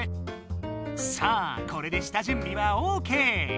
さあこれで下準備はオーケー！